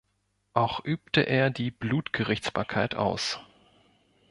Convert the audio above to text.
Auch übte er die Blutgerichtsbarkeit aus.